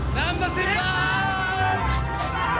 先輩！